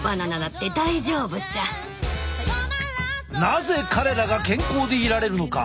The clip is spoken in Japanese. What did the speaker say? なぜ彼らが健康でいられるのか。